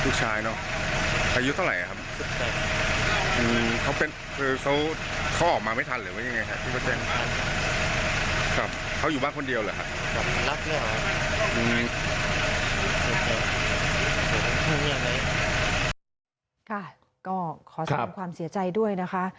ค่ะก็ขอสั่งความเสียใจด้วยนะคะ